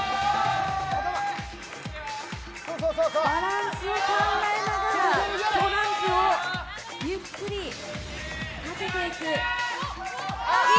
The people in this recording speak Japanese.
バランスを考えながら、トランプをゆっくり立てていく。